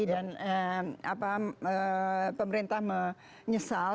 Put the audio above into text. dan pemerintah menyesal